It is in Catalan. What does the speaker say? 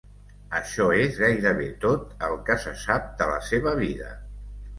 Això és gairebé tot el que se sap de la seva vida.